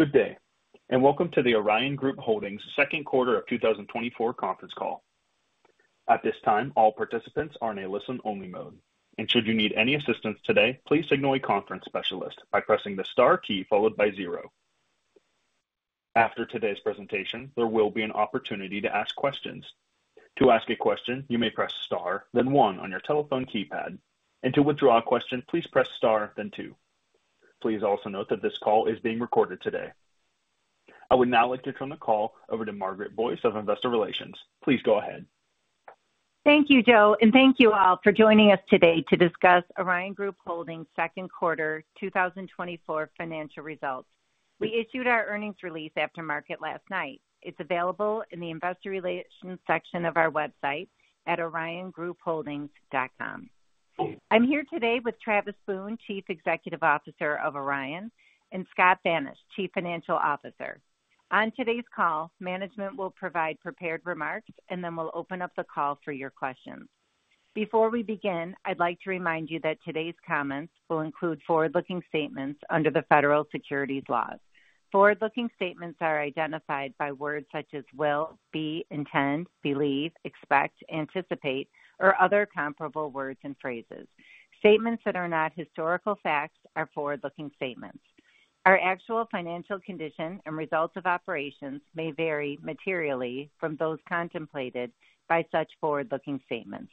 Good day, and welcome to the Orion Group Holdings second quarter of 2024 conference call. At this time, all participants are in a listen-only mode, and should you need any assistance today, please signal a conference specialist by pressing the star key followed by zero. After today's presentation, there will be an opportunity to ask questions. To ask a question, you may press star, then one on your telephone keypad, and to withdraw a question, please press star, then two. Please also note that this call is being recorded today. I would now like to turn the call over to Margaret Boyce of Investor Relations. Please go ahead. Thank you, Joe, and thank you all for joining us today to discuss Orion Group Holdings' second quarter 2024 financial results. We issued our earnings release after market last night. It's available in the Investor Relations section of our website at oriongroupholdings.com. I'm here today with Travis Boone, Chief Executive Officer of Orion, and Scott Thanisch, Chief Financial Officer. On today's call, management will provide prepared remarks, and then we'll open up the call for your questions. Before we begin, I'd like to remind you that today's comments will include forward-looking statements under the federal securities laws. Forward-looking statements are identified by words such as will, be, intend, believe, expect, anticipate, or other comparable words and phrases. Statements that are not historical facts are forward-looking statements. Our actual financial condition and results of operations may vary materially from those contemplated by such forward-looking statements.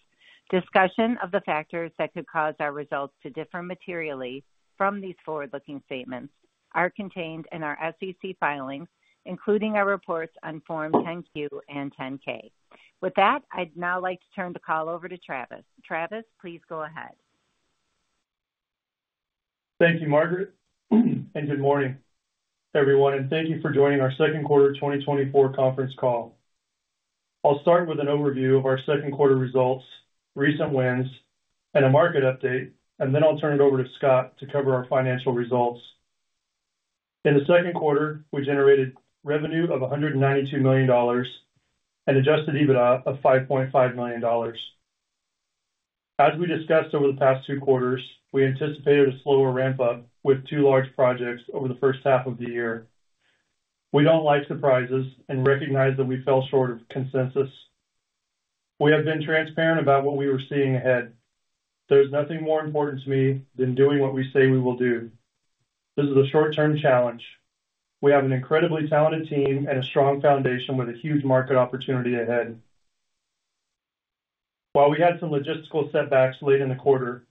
Discussion of the factors that could cause our results to differ materially from these forward-looking statements are contained in our SEC filings, including our reports on Form 10-Q and 10-K. With that, I'd now like to turn the call over to Travis. Travis, please go ahead. Thank you, Margaret, and good morning, everyone, and thank you for joining our second quarter 2024 conference call. I'll start with an overview of our second quarter results, recent wins, and a market update, and then I'll turn it over to Scott to cover our financial results. In the second quarter, we generated revenue of $192 million and Adjusted EBITDA of $5.5 million. As we discussed over the past two quarters, we anticipated a slower ramp-up with two large projects over the first half of the year. We don't like surprises and recognize that we fell short of consensus. We have been transparent about what we were seeing ahead. There's nothing more important to me than doing what we say we will do. This is a short-term challenge. We have an incredibly talented team and a strong foundation with a huge market opportunity ahead. While we had some logistical setbacks late in the quarter,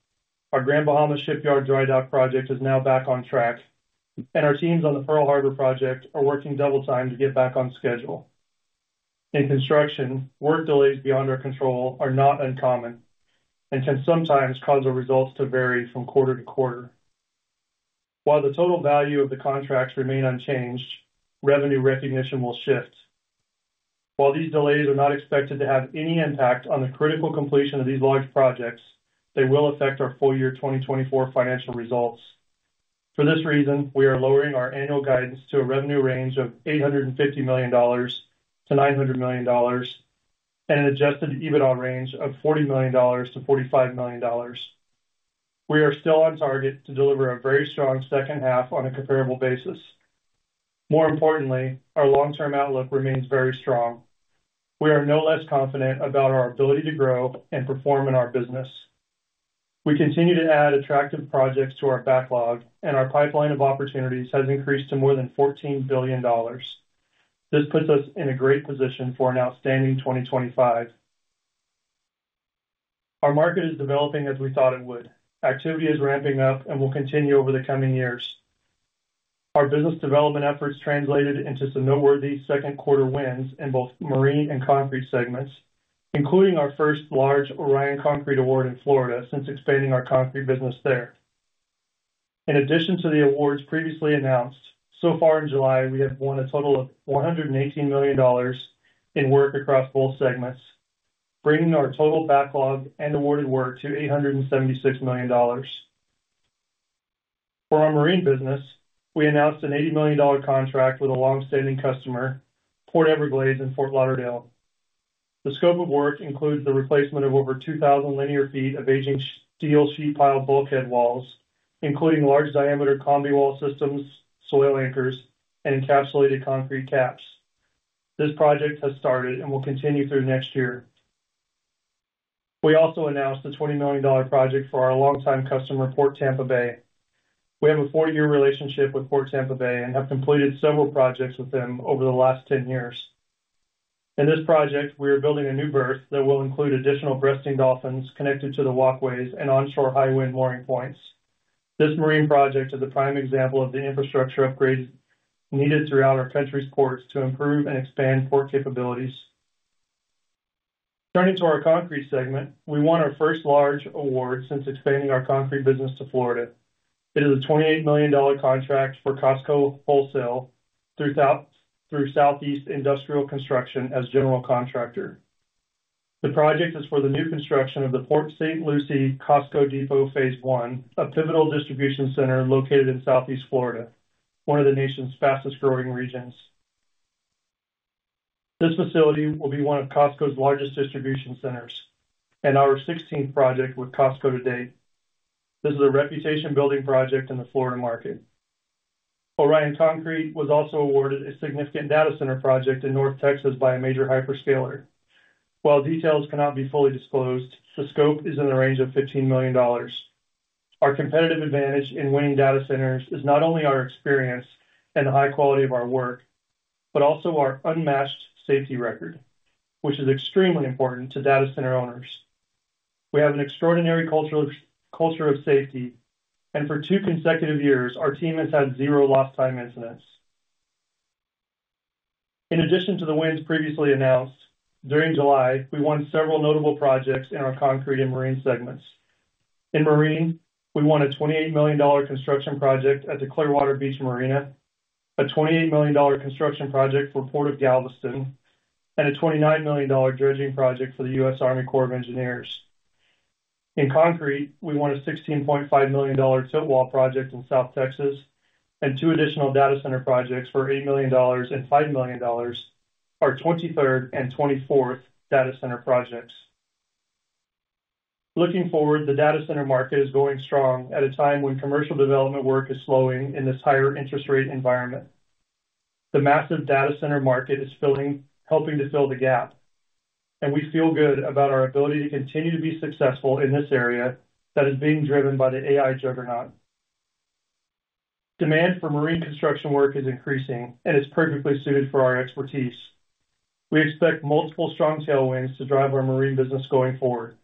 our Grand Bahama Shipyard dry dock project is now back on track, and our teams on the Pearl Harbor project are working double-time to get back on schedule. In construction, work delays beyond our control are not uncommon and can sometimes cause our results to vary from quarter to quarter. While the total value of the contracts remains unchanged, revenue recognition will shift. While these delays are not expected to have any impact on the critical completion of these large projects, they will affect our full year 2024 financial results. For this reason, we are lowering our annual guidance to a revenue range of $850 million-$900 million and an adjusted EBITDA range of $40 million-$45 million. We are still on target to deliver a very strong second half on a comparable basis. More importantly, our long-term outlook remains very strong. We are no less confident about our ability to grow and perform in our business. We continue to add attractive projects to our backlog, and our pipeline of opportunities has increased to more than $14 billion. This puts us in a great position for an outstanding 2025. Our market is developing as we thought it would. Activity is ramping up and will continue over the coming years. Our business development efforts translated into some noteworthy second quarter wins in both marine and concrete segments, including our first large Orion Concrete award in Florida since expanding our concrete business there. In addition to the awards previously announced, so far in July, we have won a total of $118 million in work across both segments, bringing our total backlog and awarded work to $876 million. For our marine business, we announced an $80 million contract with a long-standing customer, Port Everglades in Fort Lauderdale. The scope of work includes the replacement of over 2,000 linear feet of aging steel sheet-pile bulkhead walls, including large-diameter combi-wall systems, soil anchors, and encapsulated concrete caps. This project has started and will continue through next year. We also announced a $20 million project for our long-time customer, Port Tampa Bay. We have a 40-year relationship with Port Tampa Bay and have completed several projects with them over the last 10 years. In this project, we are building a new berth that will include additional breasting dolphins connected to the walkways and onshore high wind mooring points. This marine project is a prime example of the infrastructure upgrades needed throughout our country's ports to improve and expand port capabilities. Turning to our concrete segment, we won our first large award since expanding our concrete business to Florida. It is a $28 million contract for Costco Wholesale through Southeast Industrial Construction as general contractor. The project is for the new construction of the Port St. Lucie Costco Depot Phase One, a pivotal distribution center located in Southeast Florida, one of the nation's fastest-growing regions. This facility will be one of Costco's largest distribution centers and our 16th project with Costco to date. This is a reputation-building project in the Florida market. Orion Concrete was also awarded a significant data center project in North Texas by a major hyperscaler. While details cannot be fully disclosed, the scope is in the range of $15 million. Our competitive advantage in winning data centers is not only our experience and the high quality of our work, but also our unmatched safety record, which is extremely important to data center owners. We have an extraordinary culture of safety, and for two consecutive years, our team has had zero lost-time incidents. In addition to the wins previously announced, during July, we won several notable projects in our concrete and marine segments. In marine, we won a $28 million construction project at the Clearwater Beach Marina, a $28 million construction project for Port of Galveston, and a $29 million dredging project for the U.S. Army Corps of Engineers. In concrete, we won a $16.5 million tilt-wall project in South Texas, and two additional data center projects for $8 million and $5 million, our 23rd and 24th data center projects. Looking forward, the data center market is going strong at a time when commercial development work is slowing in this higher interest rate environment. The massive data center market is helping to fill the gap, and we feel good about our ability to continue to be successful in this area that is being driven by the AI juggernaut. Demand for marine construction work is increasing, and it's perfectly suited for our expertise. We expect multiple strong tailwinds to drive our marine business going forward.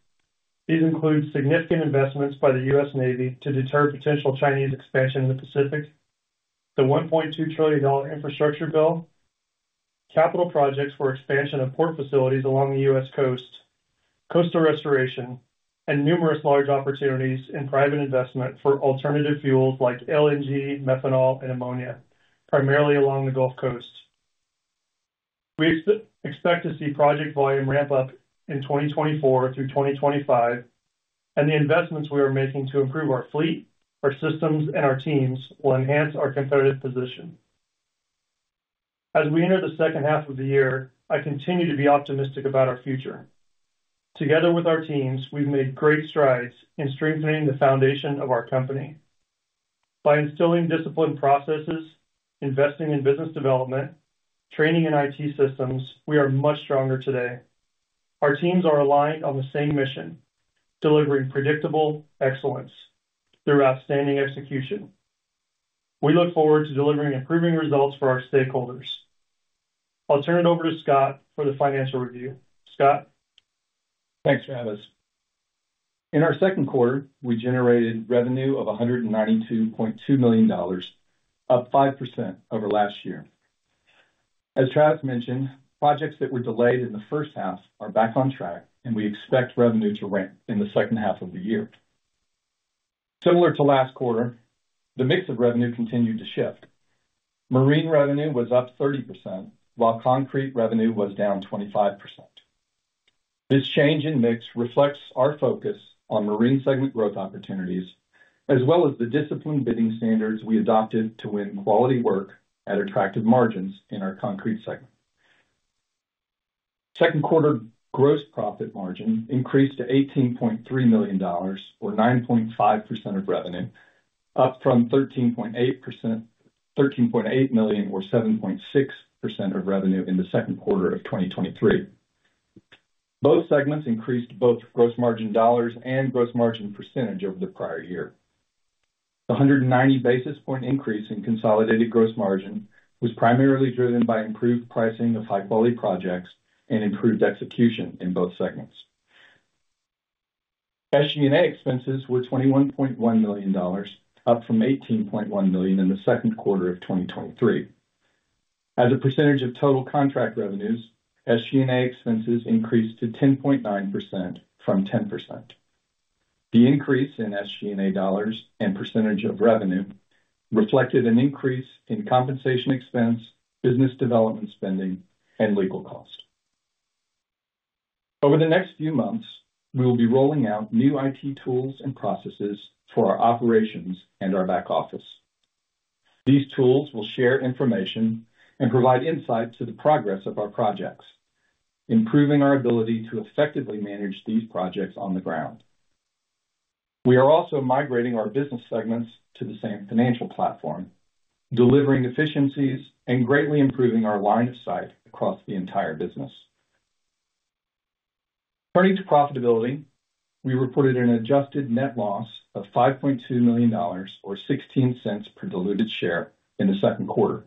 These include significant investments by the U.S. Navy to deter potential Chinese expansion in the Pacific, the $1.2 trillion infrastructure bill, capital projects for expansion of port facilities along the U.S. coast, coastal restoration, and numerous large opportunities in private investment for alternative fuels like LNG, methanol, and ammonia, primarily along the Gulf Coast. We expect to see project volume ramp up in 2024 through 2025, and the investments we are making to improve our fleet, our systems, and our teams will enhance our competitive position. As we enter the second half of the year, I continue to be optimistic about our future. Together with our teams, we've made great strides in strengthening the foundation of our company. By instilling disciplined processes, investing in business development, training in IT systems, we are much stronger today. Our teams are aligned on the same mission: delivering predictable excellence through outstanding execution. We look forward to delivering improving results for our stakeholders. I'll turn it over to Scott for the financial review. Scott? Thanks, Travis. In our second quarter, we generated revenue of $192.2 million, up 5% over last year. As Travis mentioned, projects that were delayed in the first half are back on track, and we expect revenue to ramp in the second half of the year. Similar to last quarter, the mix of revenue continued to shift. Marine revenue was up 30%, while concrete revenue was down 25%. This change in mix reflects our focus on marine segment growth opportunities, as well as the disciplined bidding standards we adopted to win quality work at attractive margins in our concrete segment. Second quarter gross profit margin increased to $18.3 million, or 9.5% of revenue, up from $13.8 million or 7.6% of revenue in the second quarter of 2023. Both segments increased both gross margin dollars and gross margin percentage over the prior year. The 190 basis points increase in consolidated gross margin was primarily driven by improved pricing of high-quality projects and improved execution in both segments. SG&A expenses were $21.1 million, up from $18.1 million in the second quarter of 2023. As a percentage of total contract revenues, SG&A expenses increased to 10.9% from 10%. The increase in SG&A dollars and percentage of revenue reflected an increase in compensation expense, business development spending, and legal cost. Over the next few months, we will be rolling out new IT tools and processes for our operations and our back office. These tools will share information and provide insight to the progress of our projects, improving our ability to effectively manage these projects on the ground. We are also migrating our business segments to the same financial platform, delivering efficiencies and greatly improving our line of sight across the entire business. Turning to profitability, we reported an adjusted net loss of $5.2 million, or 16 cents per diluted share, in the second quarter,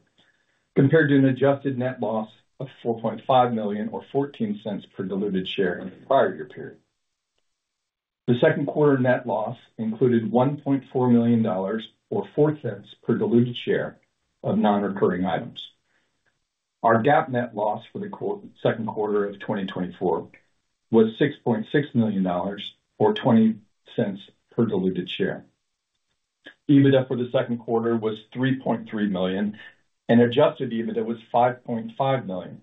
compared to an adjusted net loss of $4.5 million, or 14 cents per diluted share, in the prior year period. The second quarter net loss included $1.4 million, or 4 cents per diluted share, of non-recurring items. Our GAAP net loss for the second quarter of 2024 was $6.6 million, or 20 cents per diluted share. EBITDA for the second quarter was $3.3 million, and adjusted EBITDA was $5.5 million.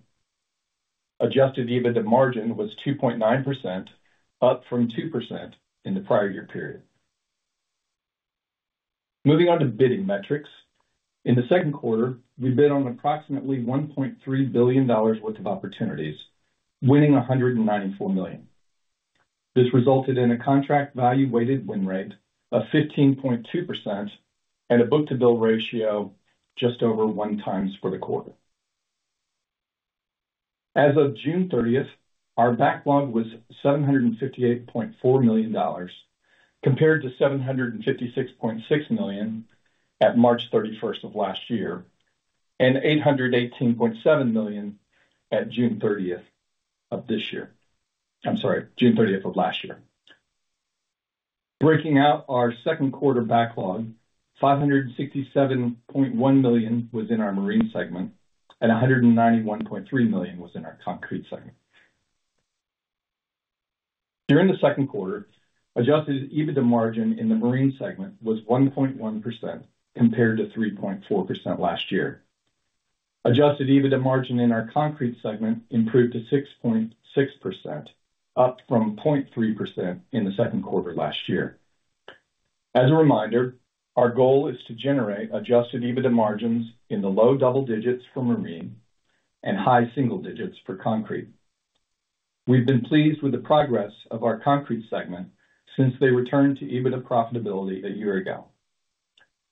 Adjusted EBITDA margin was 2.9%, up from 2% in the prior year period. Moving on to bidding metrics. In the second quarter, we bid on approximately $1.3 billion worth of opportunities, winning $194 million. This resulted in a contract value-weighted win rate of 15.2% and a book-to-bill ratio just over 1x for the quarter. As of June 30th, our backlog was $758.4 million, compared to $756.6 million at March 31st of last year and $818.7 million at June 30th of this year, I'm sorry, June 30th of last year. Breaking out our second quarter backlog, $567.1 million was in our marine segment, and $191.3 million was in our concrete segment. During the second quarter, adjusted EBITDA margin in the marine segment was 1.1% compared to 3.4% last year. Adjusted EBITDA margin in our concrete segment improved to 6.6%, up from 0.3% in the second quarter last year. As a reminder, our goal is to generate adjusted EBITDA margins in the low double digits for marine and high single digits for concrete. We've been pleased with the progress of our concrete segment since they returned to EBITDA profitability a year ago.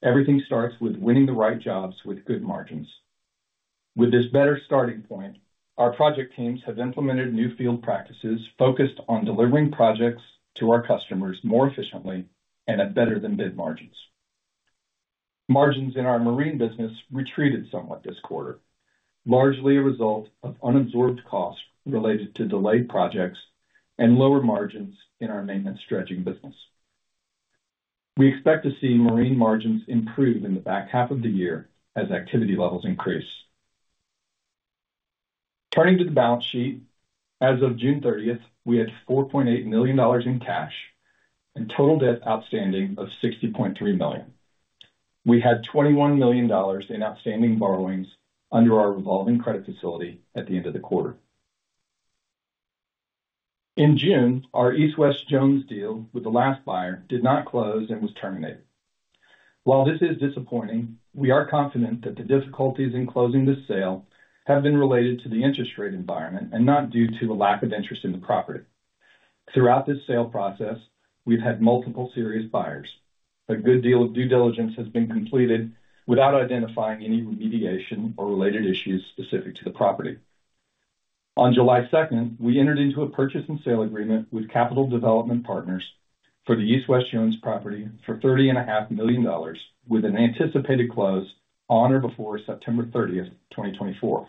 Everything starts with winning the right jobs with good margins. With this better starting point, our project teams have implemented new field practices focused on delivering projects to our customers more efficiently and at better-than-bid margins. Margins in our marine business retreated somewhat this quarter, largely a result of unabsorbed costs related to delayed projects and lower margins in our maintenance dredging business. We expect to see marine margins improve in the back half of the year as activity levels increase. Turning to the balance sheet, as of June 30th, we had $4.8 million in cash and total debt outstanding of $60.3 million. We had $21 million in outstanding borrowings under our Revolving Credit Facility at the end of the quarter. In June, our East West Jones deal with the last buyer did not close and was terminated. While this is disappointing, we are confident that the difficulties in closing this sale have been related to the interest rate environment and not due to a lack of interest in the property. Throughout this sale process, we've had multiple serious buyers. A good deal of due diligence has been completed without identifying any remediation or related issues specific to the property. On July 2nd, we entered into a purchase and sale agreement with Capital Development Partners for the East West Jones property for $30.5 million with an anticipated close on or before September 30th, 2024.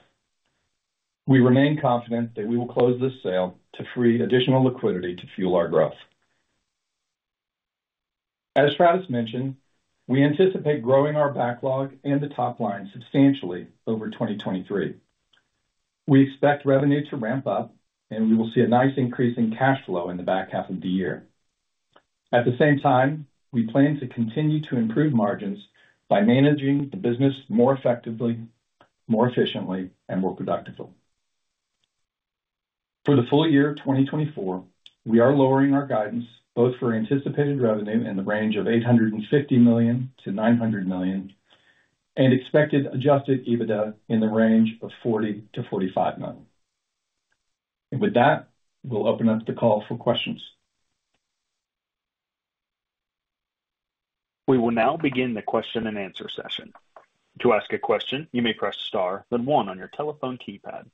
We remain confident that we will close this sale to free additional liquidity to fuel our growth. As Travis mentioned, we anticipate growing our backlog and the top line substantially over 2023. We expect revenue to ramp up, and we will see a nice increase in cash flow in the back half of the year. At the same time, we plan to continue to improve margins by managing the business more effectively, more efficiently, and more productively. For the full year 2024, we are lowering our guidance both for anticipated revenue in the range of $850 million-$900 million and expected Adjusted EBITDA in the range of $40 million-$45 million. With that, we'll open up the call for questions. We will now begin the question and answer session. To ask a question, you may press star, then 1 on your telephone keypad.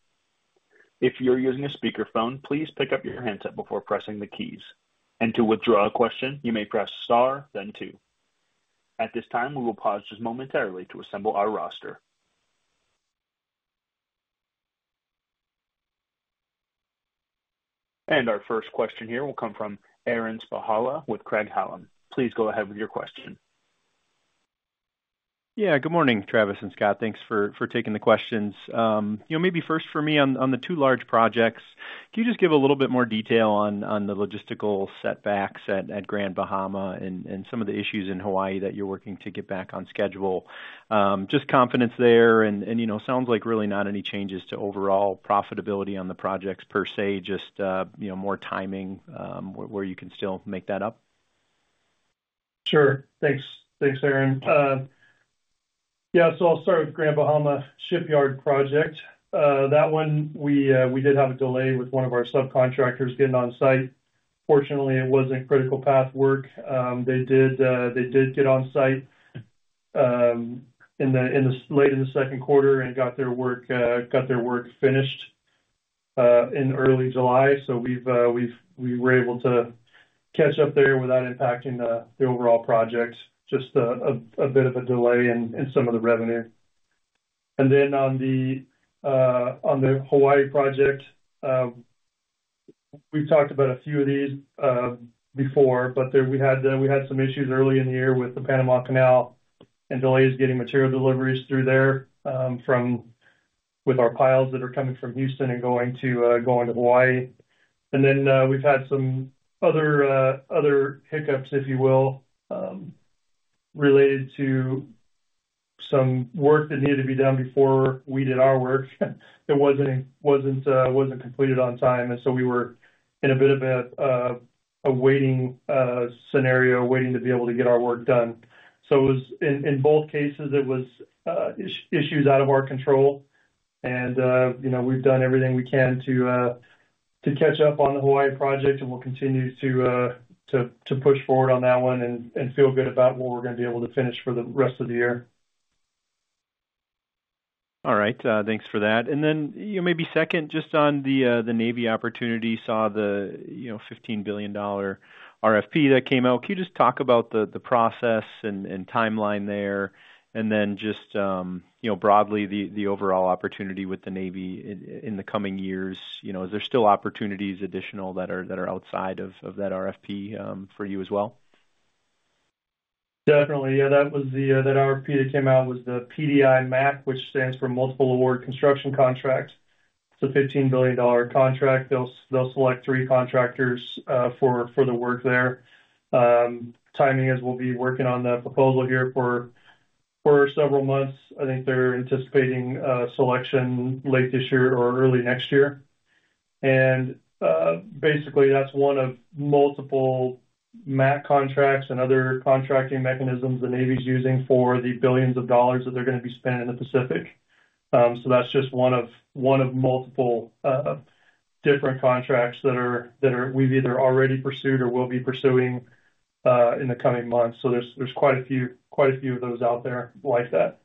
If you're using a speakerphone, please pick up your handset before pressing the keys. To withdraw a question, you may press star, then 2. At this time, we will pause just momentarily to assemble our roster. Our first question here will come from Aaron Spychalla with Craig-Hallum. Please go ahead with your question. Yeah, good morning, Travis and Scott. Thanks for taking the questions. Maybe first for me, on the two large projects, can you just give a little bit more detail on the logistical setbacks at Grand Bahama and some of the issues in Hawaii that you're working to get back on schedule? Just confidence there, and sounds like really not any changes to overall profitability on the projects per se, just more timing where you can still make that up. Sure. Thanks, Aaron. Yeah, so I'll start with Grand Bahama Shipyard project. That one, we did have a delay with one of our subcontractors getting on site. Fortunately, it wasn't critical path work. They did get on site late in the second quarter and got their work finished in early July. So we were able to catch up there without impacting the overall project, just a bit of a delay in some of the revenue. And then on the Hawaii project, we've talked about a few of these before, but we had some issues early in the year with the Panama Canal and delays getting material deliveries through there with our piles that are coming from Houston and going to Hawaii. And then we've had some other hiccups, if you will, related to some work that needed to be done before we did our work. It wasn't completed on time, and so we were in a bit of a waiting scenario, waiting to be able to get our work done. So in both cases, it was issues out of our control, and we've done everything we can to catch up on the Hawaii project, and we'll continue to push forward on that one and feel good about what we're going to be able to finish for the rest of the year. All right. Thanks for that. And then maybe second, just on the Navy opportunity, saw the $15 billion RFP that came out. Can you just talk about the process and timeline there, and then just broadly, the overall opportunity with the Navy in the coming years? Is there still opportunities additional that are outside of that RFP for you as well? Definitely. Yeah, that RFP that came out was the PDI MACC, which stands for Multiple Award Construction Contracts. It's a $15 billion contract. They'll select three contractors for the work there. Timing is we'll be working on the proposal here for several months. I think they're anticipating selection late this year or early next year. And basically, that's one of multiple MACC contracts and other contracting mechanisms the Navy's using for the billions of dollars that they're going to be spending in the Pacific. So that's just one of multiple different contracts that we've either already pursued or will be pursuing in the coming months. So there's quite a few of those out there like that.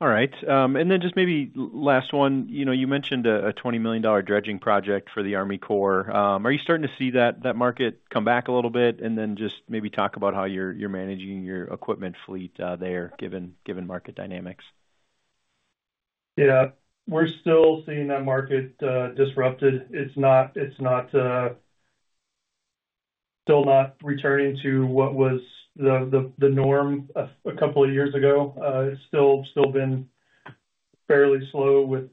All right. And then just maybe last one. You mentioned a $20 million dredging project for the Army Corps. Are you starting to see that market come back a little bit? And then just maybe talk about how you're managing your equipment fleet there, given market dynamics. Yeah. We're still seeing that market disrupted. It's still not returning to what was the norm a couple of years ago. It's still been fairly slow with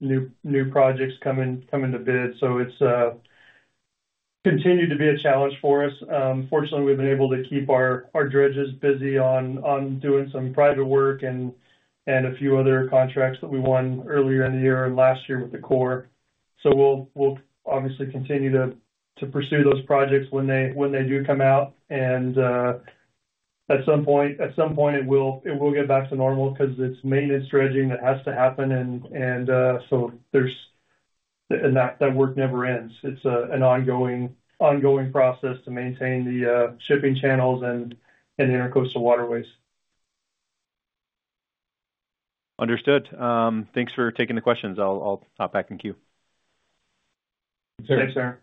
new projects coming to bid. So it's continued to be a challenge for us. Fortunately, we've been able to keep our dredges busy on doing some private work and a few other contracts that we won earlier in the year and last year with the Corps. So we'll obviously continue to pursue those projects when they do come out. And at some point, it will get back to normal because it's maintenance dredging that has to happen. And that work never ends. It's an ongoing process to maintain the shipping channels and the intracoastal waterways. Understood. Thanks for taking the questions. I'll hop back in queue. Thanks, Aaron.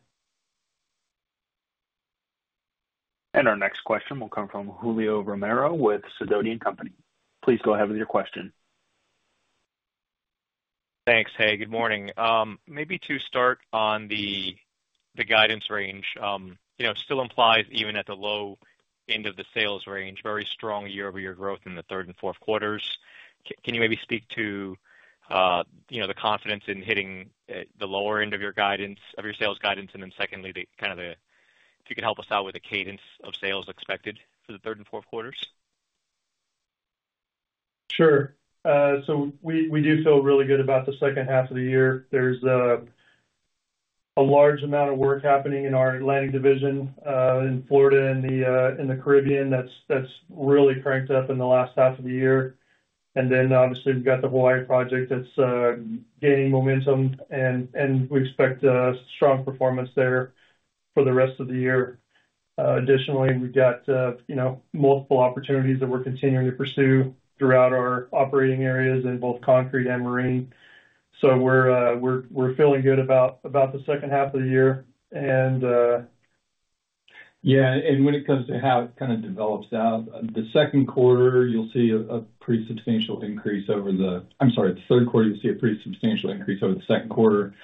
Our next question will come from Julio Romero with Sidoti & Company. Please go ahead with your question. Thanks, Hay. Good morning. Maybe to start on the guidance range, still implies even at the low end of the sales range, very strong year-over-year growth in the third and fourth quarters. Can you maybe speak to the confidence in hitting the lower end of your sales guidance? And then secondly, kind of if you can help us out with the cadence of sales expected for the third and fourth quarters? Sure. So we do feel really good about the second half of the year. There's a large amount of work happening in our Atlantic Division in Florida and the Caribbean that's really cranked up in the last half of the year. And then obviously, we've got the Hawaii project that's gaining momentum, and we expect strong performance there for the rest of the year. Additionally, we've got multiple opportunities that we're continuing to pursue throughout our operating areas in both concrete and marine. So we're feeling good about the second half of the year. And. Yeah. And when it comes to how it kind of develops out, the second quarter, you'll see a pretty substantial increase over the—I'm sorry, the third quarter, you'll see a pretty substantial increase over the second quarter.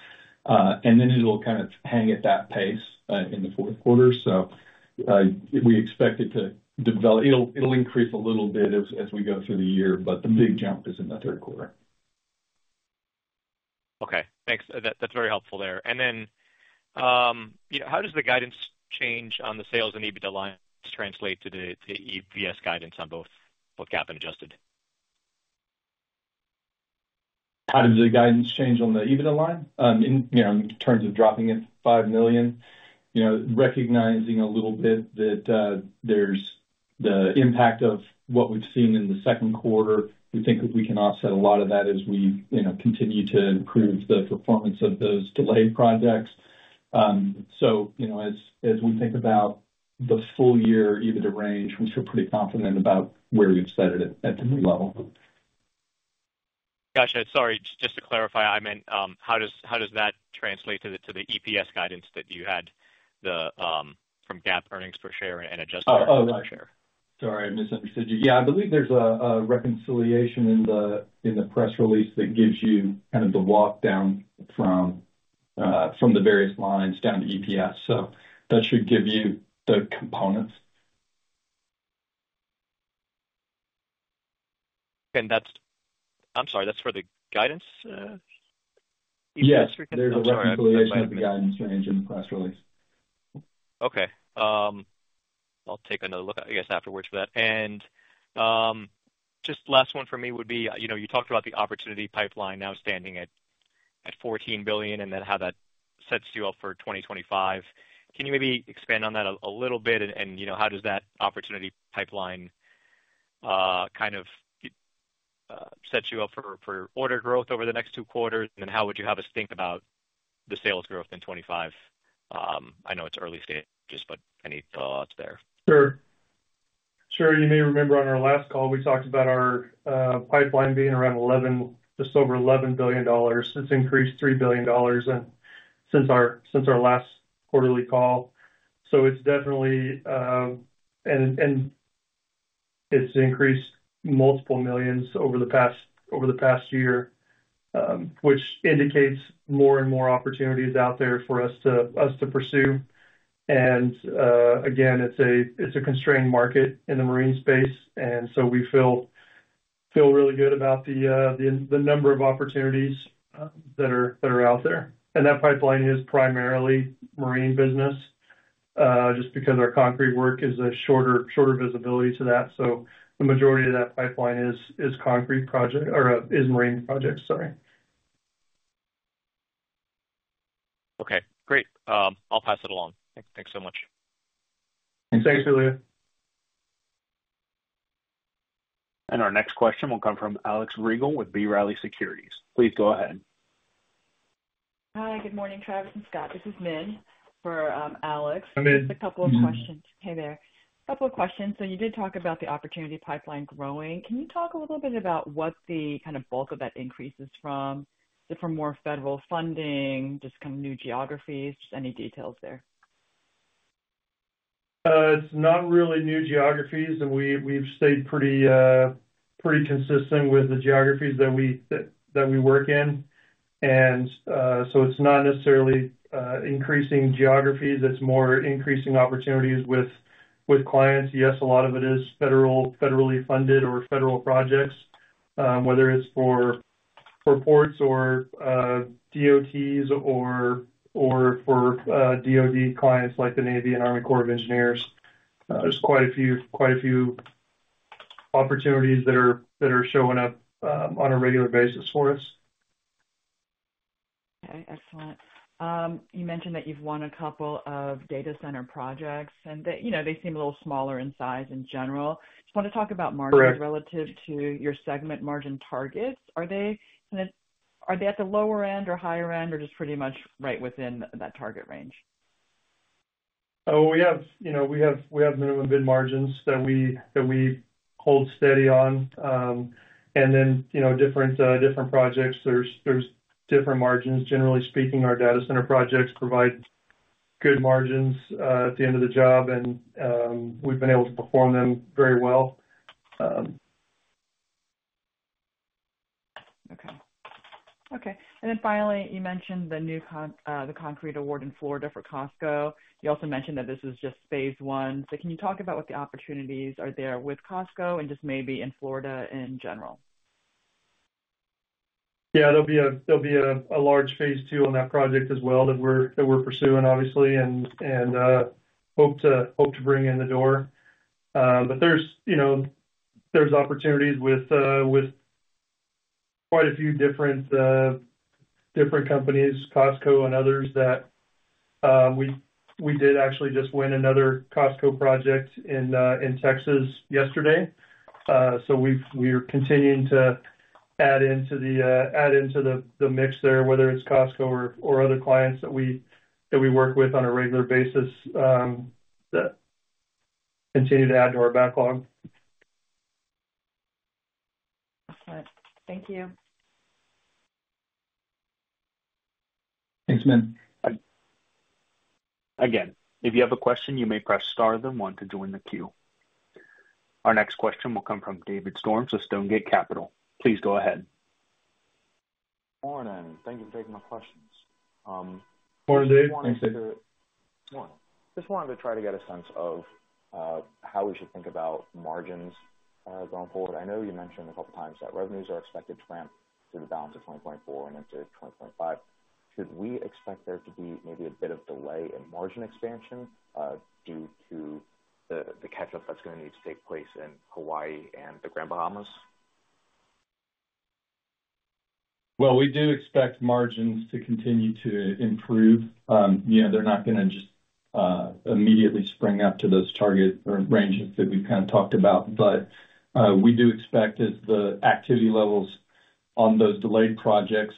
And then it'll kind of hang at that pace in the fourth quarter. So we expect it to develop. It'll increase a little bit as we go through the year, but the big jump is in the third quarter. Okay. Thanks. That's very helpful there. Then how does the guidance change on the sales and EBITDA lines translate to the EPS guidance on both GAAP and adjusted? How does the guidance change on the EBITDA line? In terms of dropping it $5 million, recognizing a little bit that there's the impact of what we've seen in the second quarter, we think that we can offset a lot of that as we continue to improve the performance of those delayed projects. So as we think about the full year EBITDA range, we feel pretty confident about where we've set it at the new level. Gotcha. Sorry. Just to clarify, I meant, how does that translate to the EPS guidance that you had from GAAP earnings per share and adjusted earnings per share? Oh, sorry. I misunderstood you. Yeah, I believe there's a reconciliation in the press release that gives you kind of the walkdown from the various lines down to EPS. So that should give you the components. I'm sorry, that's for the guidance? Yeah. There's a reconciliation of the guidance range in the press release. Okay. I'll take another look, I guess, afterwards for that. And just last one for me would be, you talked about the opportunity pipeline now standing at $14 billion and then how that sets you up for 2025. Can you maybe expand on that a little bit? And how does that opportunity pipeline kind of set you up for order growth over the next two quarters? And then how would you have us think about the sales growth in 2025? I know it's early stages, but any thoughts there? Sure. Sure. You may remember on our last call, we talked about our pipeline being around $11 billion. It's increased $3 billion since our last quarterly call. So it's definitely, and it's increased multiple millions over the past year, which indicates more and more opportunities out there for us to pursue. And again, it's a constrained market in the marine space. And so we feel really good about the number of opportunities that are out there. And that pipeline is primarily marine business just because our concrete work is a shorter visibility to that. So the majority of that pipeline is concrete project or is marine projects, sorry. Okay. Great. I'll pass it along. Thanks so much. Thanks, Julio. Our next question will come from Alex Rygiel with B. Riley Securities. Please go ahead. Hi. Good morning, Travis and Scott. This is Minh for Alex. Hi, Minh. Just a couple of questions. Hey there. A couple of questions. So you did talk about the opportunity pipeline growing. Can you talk a little bit about what the kind of bulk of that increase is from? Is it from more federal funding, just kind of new geographies? Just any details there? It's not really new geographies. We've stayed pretty consistent with the geographies that we work in. And so it's not necessarily increasing geographies. It's more increasing opportunities with clients. Yes, a lot of it is federally funded or federal projects, whether it's for ports or DOTs or for DOD clients like the Navy and Army Corps of Engineers. There's quite a few opportunities that are showing up on a regular basis for us. Okay. Excellent. You mentioned that you've won a couple of data center projects, and they seem a little smaller in size in general. Just want to talk about margins relative to your segment margin targets. Are they at the lower end or higher end or just pretty much right within that target range? Oh, we have minimum bid margins that we hold steady on. And then different projects, there's different margins. Generally speaking, our data center projects provide good margins at the end of the job, and we've been able to perform them very well. Okay. Okay. And then finally, you mentioned the concrete award in Florida for Costco. You also mentioned that this is just phase one. So can you talk about what the opportunities are there with Costco and just maybe in Florida in general? Yeah. There'll be a large phase two on that project as well that we're pursuing, obviously, and hope to bring in the door. But there's opportunities with quite a few different companies, Costco and others, that we did actually just win another Costco project in Texas yesterday. So we are continuing to add into the mix there, whether it's Costco or other clients that we work with on a regular basis that continue to add to our backlog. Excellent. Thank you. Thanks, Minh. Again, if you have a question, you may press star, then one to join the queue. Our next question will come from David Storms with Stonegate Capital. Please go ahead. Morning. Thank you for taking my questions. Morning, Dave. Thanks, Dave. Morning. Just wanted to try to get a sense of how we should think about margins going forward. I know you mentioned a couple of times that revenues are expected to ramp through the balance of 2024 and into 2025. Should we expect there to be maybe a bit of delay in margin expansion due to the catch-up that's going to need to take place in Hawaii and the Grand Bahama? Well, we do expect margins to continue to improve. They're not going to just immediately spring up to those target ranges that we've kind of talked about. But we do expect, as the activity levels on those delayed projects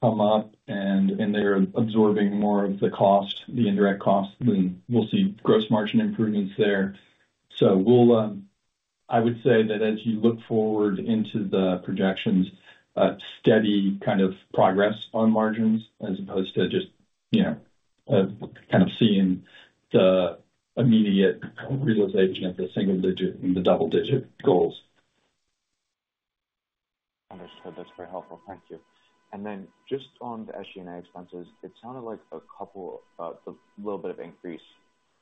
come up and they're absorbing more of the cost, the indirect cost, then we'll see gross margin improvements there. So I would say that as you look forward into the projections, steady kind of progress on margins as opposed to just kind of seeing the immediate realization of the single-digit and the double-digit goals. Understood. That's very helpful. Thank you. And then just on the SG&A expenses, it sounded like a couple of a little bit of increase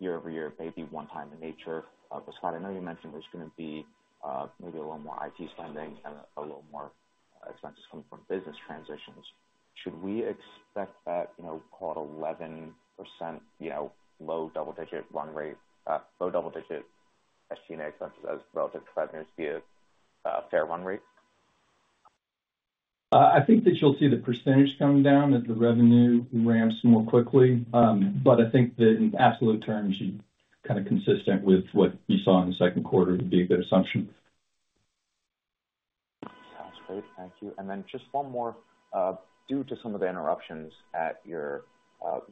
year-over-year, maybe one-time in nature. But Scott, I know you mentioned there's going to be maybe a little more IT spending and a little more expenses coming from business transitions. Should we expect that, call it 11% low double-digit run rate, low double-digit SG&A expenses as relative to revenues be a fair run rate? I think that you'll see the percentage come down as the revenue ramps more quickly. But I think that in absolute terms, kind of consistent with what you saw in the second quarter would be a good assumption. Sounds great. Thank you. And then just one more. Due to some of the interruptions at your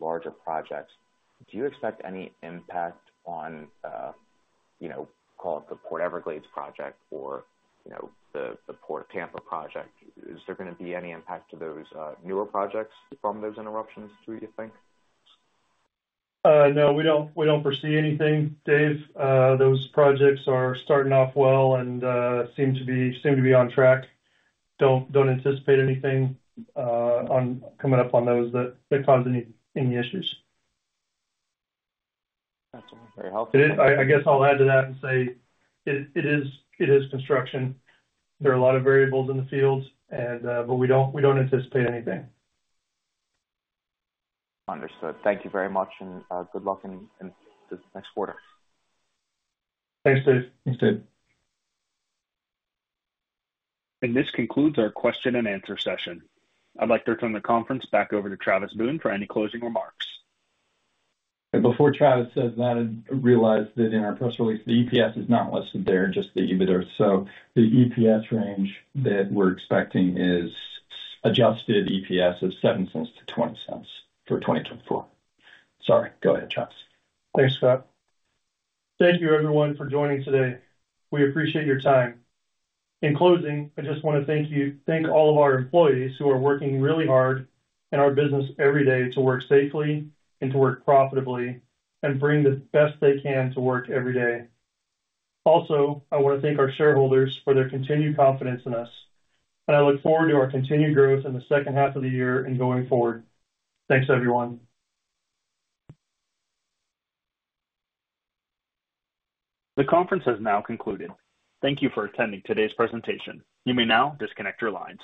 larger projects, do you expect any impact on, call it the Port Everglades project or the Port Tampa Bay project? Is there going to be any impact to those newer projects from those interruptions too, do you think? No, we don't foresee anything, Dave. Those projects are starting off well and seem to be on track. Don't anticipate anything coming up on those that cause any issues. Excellent. Very helpful. I guess I'll add to that and say it is construction. There are a lot of variables in the field, but we don't anticipate anything. Understood. Thank you very much. Good luck in the next quarter. Thanks, Dave. Thanks, Dave. This concludes our question and answer session. I'd like to turn the conference back over to Travis Boone for any closing remarks. Before Travis says that, I realized that in our press release, the EPS is not listed there, just the EBITDA. So the EPS range that we're expecting is adjusted EPS of $0.07-$0.20 for 2024. Sorry. Go ahead, Travis. Thanks, Scott. Thank you, everyone, for joining today. We appreciate your time. In closing, I just want to thank all of our employees who are working really hard in our business every day to work safely and to work profitably and bring the best they can to work every day. Also, I want to thank our shareholders for their continued confidence in us. I look forward to our continued growth in the second half of the year and going forward. Thanks, everyone. The conference has now concluded. Thank you for attending today's presentation. You may now disconnect your lines.